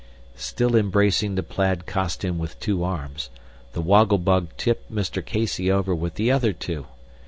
Still embracing the plaid costume with two arms, the Woggle Bug tipped Mr. Casey over with the other two.